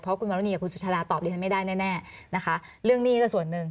เพราะคุณมรุณีกับคุณสุชาดาตอบดิฉันไม่ได้แน่นะคะเรื่องหนี้ก็ส่วนหนึ่ง